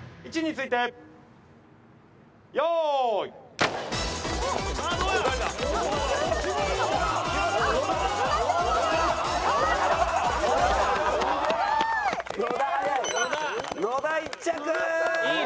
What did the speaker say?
いいね。